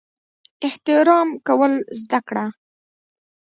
احترام کول زده کړه!